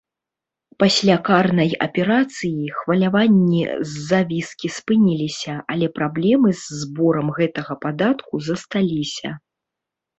Пасля карнай аперацыі хваляванні з-за віскі спыніліся, але праблемы з зборам гэтага падатку засталіся.